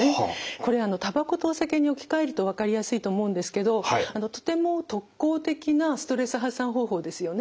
これたばことお酒に置き換えると分かりやすいと思うんですけどとても特効的なストレス発散方法ですよね。